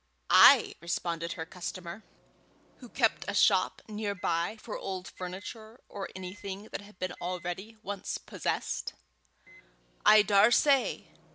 "Aye," responded her customer, who kept a shop near by for old furniture, or anything that had been already once possessed "aye, I daursay.